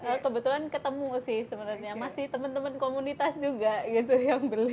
iya betul kalau kebetulan ketemu sih sebenernya masih temen temen komunitas juga gitu yang beli